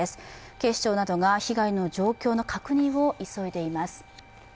警視庁などが被害の状況の確認を急いでいます。